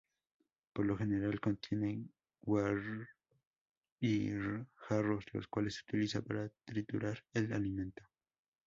Por lo general, contiene guijarros, los cuales utiliza para triturar el alimento.